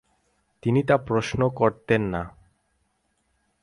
তিনি তা প্রশ্ন করতেন না ।